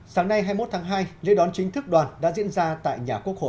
sáng nay hai mươi một tháng hai lễ đón chính thức đoàn đã diễn ra tại nhà quốc hội